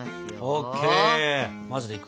ＯＫ！